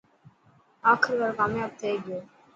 آخرڪار ڪامياب ٿي گيو.